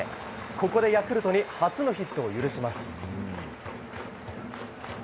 ここでヤクルトに初のヒットを許します。